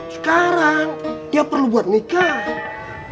sekarang dia perlu buat nikah